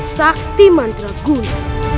sakti mantra guru